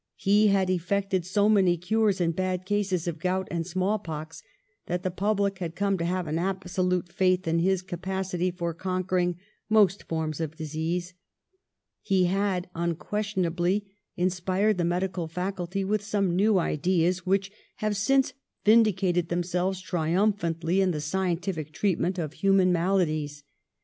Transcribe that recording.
He had effected so many cures in bad cases of gout and smallpox that the public had come to have an absolute faith in his capacity for conquer ing most forms of disease. He had unquestionably inspired the medical faculty with some new ideas which have since vindicated themselves triumphantly in the scientific treatment of human maladies.